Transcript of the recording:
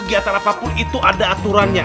itu ada aturannya